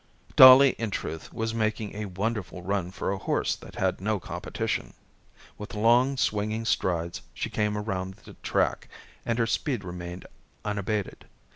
Dollie in truth was making a wonderful run for a horse that had no competition. With long swinging strides she came around the track, and her speed remained unabated.